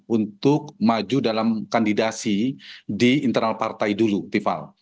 untuk maju dalam kandidasi di internal partai dulu tiffal